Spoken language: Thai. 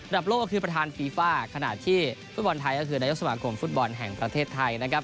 โลกก็คือประธานฟีฟ่าขณะที่ฟุตบอลไทยก็คือนายกสมาคมฟุตบอลแห่งประเทศไทยนะครับ